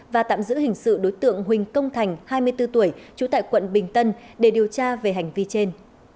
và tạm giữ hình sự đối tượng huỳnh công thành hai mươi bốn tuổi trú tại quận bình tân để điều tra về hành vi trên